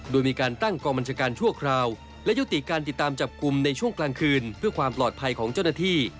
โดยมีการตั้งกองบัญชาการชั่วคราวและยุติการติดตามจับกลุ่มในช่วงกลางคืนเพื่อความปลอดภัยของเจ้าหน้าที่